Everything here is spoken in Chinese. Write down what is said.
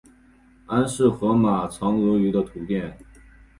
安氏河马长颌鱼的图片